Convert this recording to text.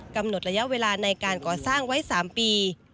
กำหนดระยะเวลาในการก่อสร้างไว้๓ปี